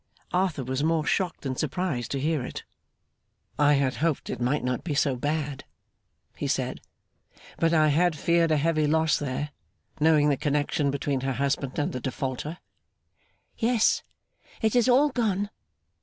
Arthur was more shocked than surprised to hear it. 'I had hoped it might not be so bad,' he said: 'but I had feared a heavy loss there, knowing the connection between her husband and the defaulter.' 'Yes. It is all gone.